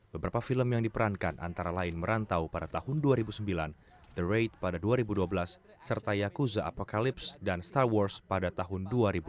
beberapa film yang diperankan antara lain merantau pada tahun dua ribu sembilan the raid pada dua ribu dua belas serta yakuza apacalips dan star wars pada tahun dua ribu lima belas